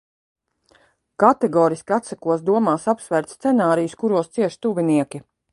Kategoriski atsakos domās apsvērt scenārijus, kuros cieš tuvinieki.